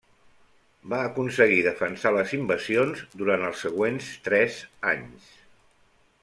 Va aconseguir defensar les invasions durant els següents tres anys.